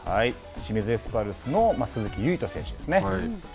清水エスパルスの鈴木唯人選手ですね。